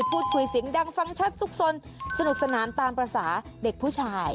พูดคุยเสียงดังฟังชัดสุขสนสนุกสนานตามภาษาเด็กผู้ชาย